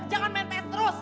jangan main main terus